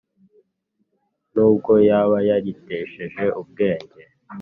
n ubwo yaba yaritesheje ubwenge